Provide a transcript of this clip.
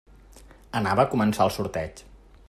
Anava a començar el sorteig.